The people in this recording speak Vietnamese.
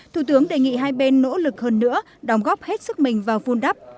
thủ tướng đề nghị hai bên nỗ lực hơn nữa đóng góp hết sức mình vào vun đắp